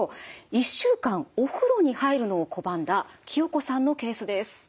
１週間お風呂に入るのを拒んだ清子さんのケースです。